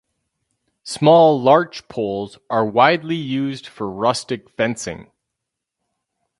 Small larch poles are widely used for rustic fencing.